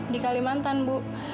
di kalimantan bu